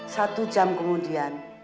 satu jam kemudian